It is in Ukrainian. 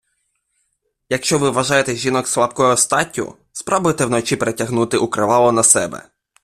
Якщо ви вважаєте жінок слабкою статтю, спробуйте вночі перетягнути укривало на себе.